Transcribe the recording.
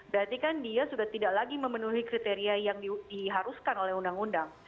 berarti kan dia sudah tidak lagi memenuhi kriteria yang diharuskan oleh undang undang